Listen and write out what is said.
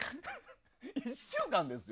１週間ですよ？